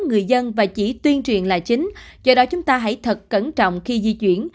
người dân và chỉ tuyên truyền là chính do đó chúng ta hãy thật cẩn trọng khi di chuyển